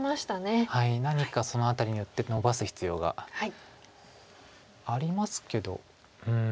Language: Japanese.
何かその辺りに打ってのばす必要がありますけど。